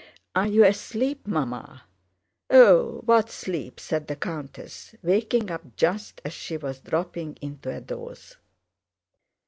"Are you asleep, Mamma?" "Oh, what sleep—?" said the countess, waking up just as she was dropping into a doze.